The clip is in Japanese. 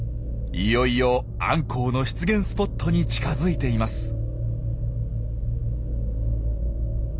いよいよアンコウの出現スポットに近づいています。